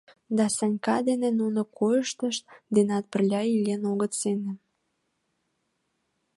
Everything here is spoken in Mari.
Да Санька дене нуно койышышт денат пырля илен огыт сеҥе.